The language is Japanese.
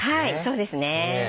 そうですね。